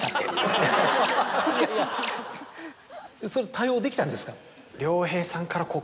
いやいやそれ対応できたんですか？